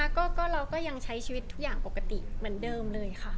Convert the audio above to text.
ก็เราก็ยังใช้ชีวิตทุกอย่างปกติเหมือนเดิมเลยค่ะ